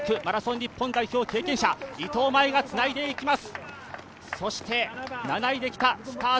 日本代表経験者伊藤舞がつないでいきます。